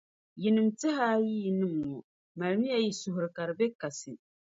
yinim’ tɛhaayiyinim’ ŋɔ, malimiya yi suhuri ka di be kasi.